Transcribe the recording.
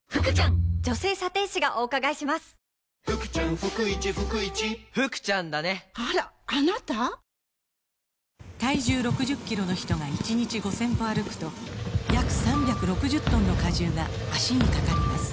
東京海上日動体重６０キロの人が１日５０００歩歩くと約３６０トンの荷重が脚にかかります